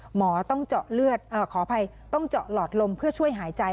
หมอต้องเจาะลอดลมเพื่อช่วยหายใจ